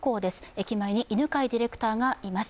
駅前に犬飼ディレクターがいます。